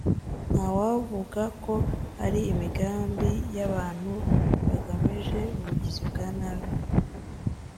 ntawavuga ko ari imigambi y’abantu bagamije ubugizi bwa nabi